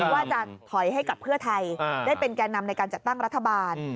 ว่าจะถอยให้กับเพื่อไทยได้เป็นแก่นำในการจัดตั้งรัฐบาล